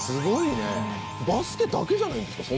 バスケだけじゃないんですか？